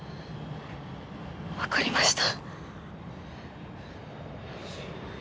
分かりました。